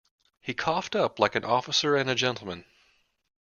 He coughed up like an officer and a gentleman.